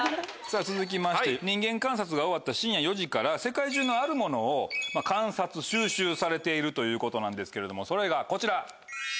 続きまして人間観察が終わった深夜４時から世界中のあるものを観察収集されているということなんですけれどもそれがこちら。